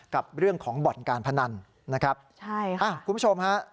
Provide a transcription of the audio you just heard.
กับเรื่องของบ่อนการพนันนะครับใช่ค่ะคุณผู้ชมฮะ